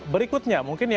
berikutnya mungkin ya